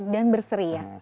dan berseri ya